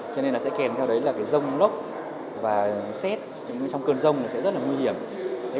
cho nên là sẽ kèm theo đấy là cái rông lốc và xét trong cơn rông sẽ rất là nguy hiểm